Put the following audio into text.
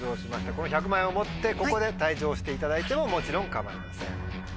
この１００万円を持ってここで退場していただいてももちろん構いません。